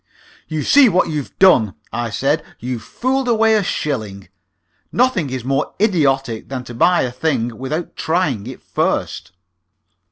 "You see what you've done?" I said. "You've fooled away a shilling. Nothing is more idiotic than to buy a thing without trying it first."